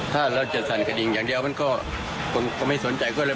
ถ้าเราจะสั่นกระดิ่งอย่างเดียวมันก็ผมไม่สนใจก็เลย